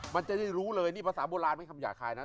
มันจะได้รู้เลยนี่ภาษาโบราณไม่คำหยาบคายนะ